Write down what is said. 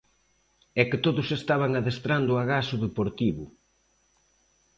E que todos estaban adestrando agás o Deportivo.